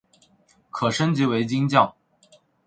可升级成为金将。